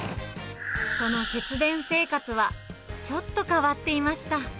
その節電生活は、ちょっと変わっていました。